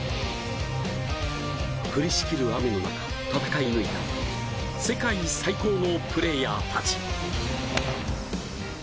降りしきる雨の中戦い抜いた世界最高のプレーヤーたち。